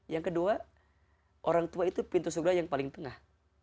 yang kedua orang tua itu pintu surga yang paling tengah